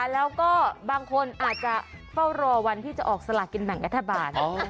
แล้วก็บางคนอาจจะเฝ้ารอวันที่จะออกสลากินแบ่งรัฐบาล